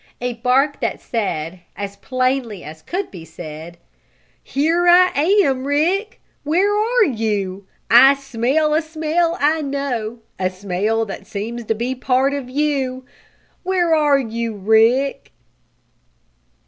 A bark that said, as plainly as could be said: "Here I am, Rick! Where are you! I smell a smell I know a smell that seems to be a part of you! Where are you, Rick?"